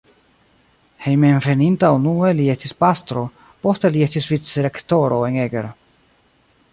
Hejmenveninta unue li estis pastro, poste li estis vicrektoro en Eger.